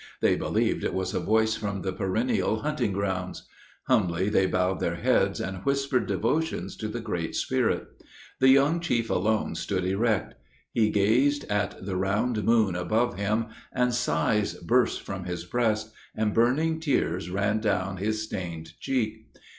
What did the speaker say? They believed it was a voice from the perennial hunting grounds. Humbly they bowed their heads, and whispered devotions to the Great Spirit. The young chief alone stood erect. He gazed at the round moon above him, and sighs burst from his breast, and burning tears ran down his stained cheek.